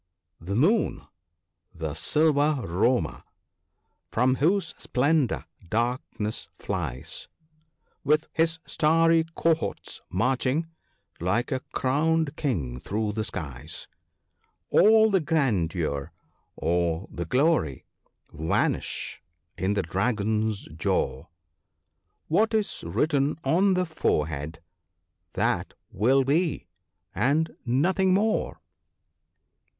the Moon, the silver roamer, from whose splendour dark ness flies With his starry cohorts marching, like a crowned king through the skies ; All the grandeur, all the glory, vanish in the Dragon's jaw (); What is written on the forehead, that will be, and nothing more."